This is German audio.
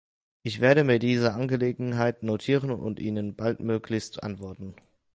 Ich werde mir diese Angelegenheit notieren und Ihnen baldmöglichst antworten.